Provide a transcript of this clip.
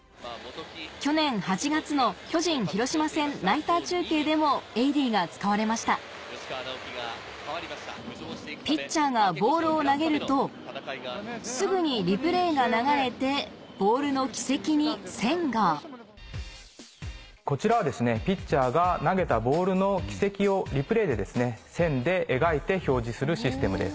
去年８月の巨人・広島戦ナイター中継でも「エイディ」が使われましたピッチャーがボールを投げるとすぐにリプレイが流れてボールの軌跡に線がこちらはピッチャーが投げたボールの軌跡をリプレイで線で描いて表示するシステムです。